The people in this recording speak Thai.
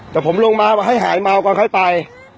แต่ผมลงมาให้หายเมาก่อนค่อยตาย